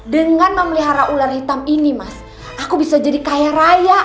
dengan memelihara ular hitam ini mas aku bisa jadi kaya raya